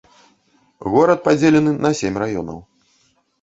Горад падзелены на сем раёнаў.